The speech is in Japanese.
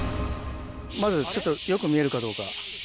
まずちょっとよく見えるかどうか。